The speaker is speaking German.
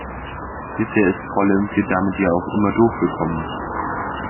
Bisher ist Frau Lemke damit ja auch immer durchgekommen.